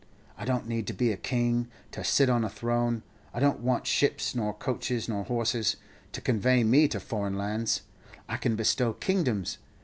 I don't need to be a king, to sit on a throne; I don't want ships, nor coaches, nor horses, to convay me to foreign lands. I can bestow kingdoms.